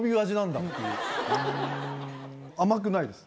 甘くないです。